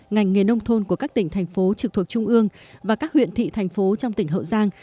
ngành nghề nông thôn của các tỉnh thành phố trực thuộc trung ương và các huyện thị thành phố trong tỉnh hậu giang